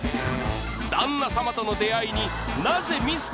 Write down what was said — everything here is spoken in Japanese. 旦那様との出会いになぜミス